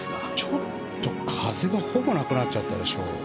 ちょっと風がほぼなくなっちゃったでしょ。